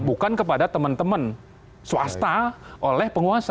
bukan kepada teman teman swasta oleh penguasa